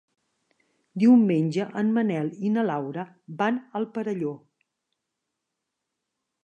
Diumenge en Manel i na Laura van al Perelló.